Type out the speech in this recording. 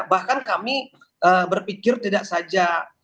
bahkan kami berpikir tidak saja